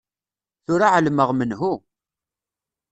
Tura ɛelmeɣ menhu.